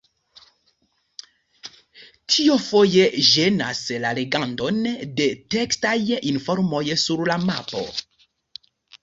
Tio foje ĝenas la legadon de tekstaj informoj sur la mapo.